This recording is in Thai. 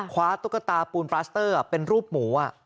ตุ๊กตาปูนปลาสเตอร์เป็นรูปหมู